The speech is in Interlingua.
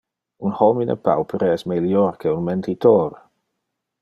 Un homine paupere es melior que un mentitor.